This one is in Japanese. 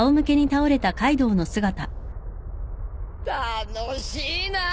楽しいなぁ！